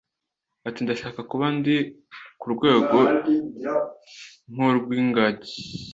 Ati Ndashaka kuba ndi ku rwego nk’urw’ingagi.